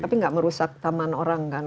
tapi nggak merusak taman orang kan